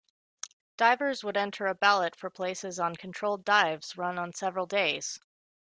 Divers would enter a ballot for places on controlled dives run on several days.